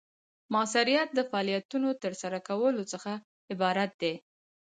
مؤثریت د فعالیتونو د ترسره کولو څخه عبارت دی.